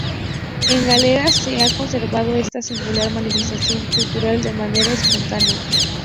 En Galeras se ha conservado esta singular manifestación cultural de manera espontánea.